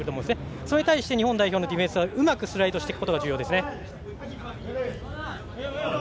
それに対して日本代表のディフェンスはうまくスライドしていくことが重要ですね。